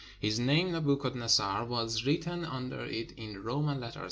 His name, Nebuchadnezzar, was written under it in Roman letters.